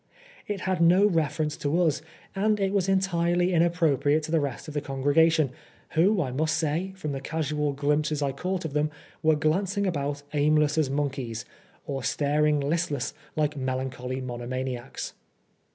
It had no reference to us, and it was entirely inappropriate to the rest of the congregation, who, I must say, from the casual glimpses I caught of them, were glancing about aimless as monkeys, or staring listless like melancholy monomaniacs.